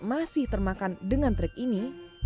masih termakan dengan trik ini